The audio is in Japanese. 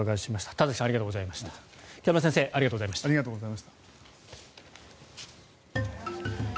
田崎さん、北村先生ありがとうございました。